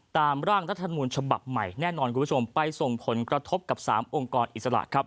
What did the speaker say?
ร่างรัฐธรรมนูญฉบับใหม่แน่นอนคุณผู้ชมไปส่งผลกระทบกับ๓องค์กรอิสระครับ